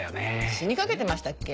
死にかけてましたっけ？